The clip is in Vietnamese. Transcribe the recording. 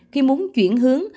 khi muốn chuyển hướng